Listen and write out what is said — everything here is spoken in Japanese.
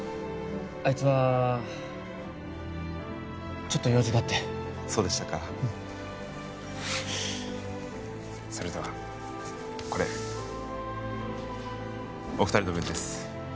あいつはちょっと用事があってそうでしたかうんそれではこれお二人の分です